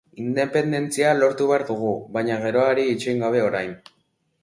Independentzia lortu behar dugu, baina geroari itxoin gabe, orain.